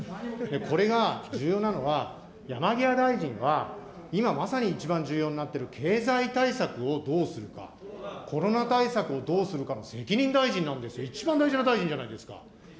これが重要なのは、山際大臣は今、まさに一番重要になっている経済対策をどうするか、コロナ対策をどうするかの責任大臣なんですよ、一番大事な大臣じゃないですか。